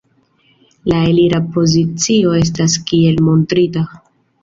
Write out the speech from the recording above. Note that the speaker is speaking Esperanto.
La elira pozicio estas kiel montrita.